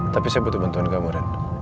tapi saya butuh bantuan kamu ren